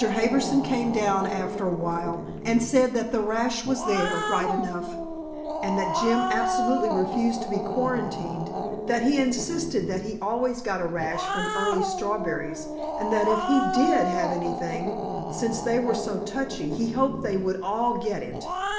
Harbison came down after a while, and said that the rash was there, right enough, and that Jim absolutely refused to be quarantined; that he insisted that he always got a rash from early strawberries and that if he DID have anything, since they were so touchy he hoped they would all get it.